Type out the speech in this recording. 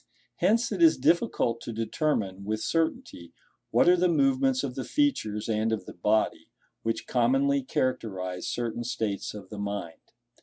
Hence it is difficult to determine, with certainty, what are the movements of the features and of the body, which commonly characterize certain states of the mind.